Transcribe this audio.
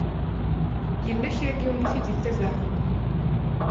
Yella kra n yiwen i yi-d-itabaɛen.